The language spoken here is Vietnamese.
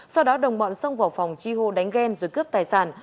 sau đó đồng bọn xông vào phòng chi hô đánh ghen rồi cướp tài sản